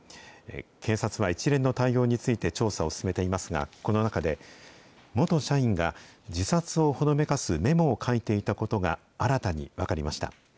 警察は一連の対応について調査を進めていますが、この中で、元社員が自殺をほのめかすメモを書いていたことが新たに分かりました。